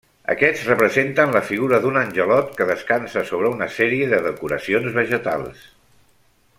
Aquests representen la figura d'un angelot que descansa sobre una sèrie de decoracions vegetals.